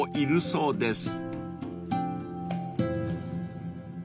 そうです。